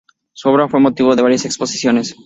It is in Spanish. Su obra fue motivo de varias exposiciones.